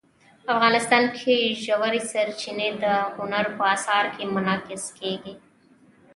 افغانستان کې ژورې سرچینې د هنر په اثار کې منعکس کېږي.